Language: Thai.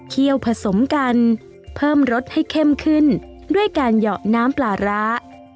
ี่ยวผสมกันเพิ่มรสให้เข้มขึ้นด้วยการเหยาะน้ำปลาร้า